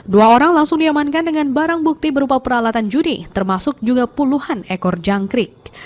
dua orang langsung diamankan dengan barang bukti berupa peralatan judi termasuk juga puluhan ekor jangkrik